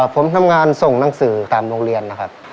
ผมทำงานส่งหนังสือตามโรงเรียนนะครับ